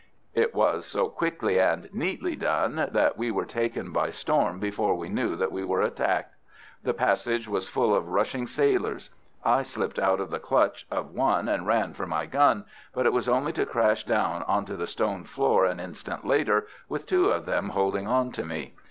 It was so quickly and neatly done that we were taken by storm before we knew that we were attacked. The passage was full of rushing sailors. I slipped out of the clutch of one and ran for my gun, but it was only to crash down on to the stone floor an instant later with two of them holding on to me.